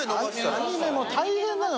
アニメも大変なの。